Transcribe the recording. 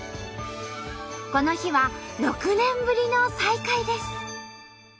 この日は６年ぶりの再会です。